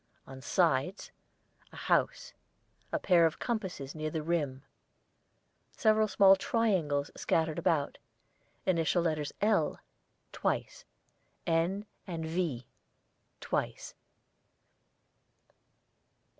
on sides. A house. A pair of compasses near the rim. Several small triangles scattered about. Initial letters 'L' (twice), 'N,' and 'V' (twice).